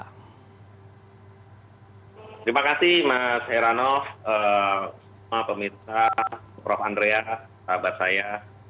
terima kasih mas herono pak pemirsa prof andreas sahabat saya